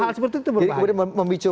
hal hal seperti itu berbahaya